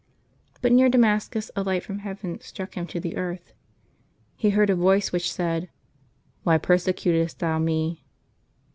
But near Damascus a light from heaven struck him to the earth. He heard a voice which said, "Why persecutest thou Me?"